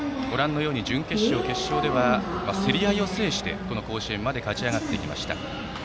準決勝、決勝では競り合いを制して甲子園まで勝ち上がってきました。